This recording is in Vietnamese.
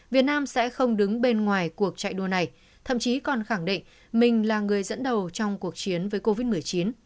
việt nam sẽ không đứng bên ngoài cuộc chạy đua này thậm chí còn khẳng định mình là người dẫn đầu trong cuộc chiến với covid một mươi chín